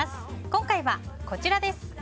今回はこちらです。